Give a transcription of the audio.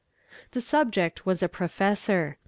The subject was a professor.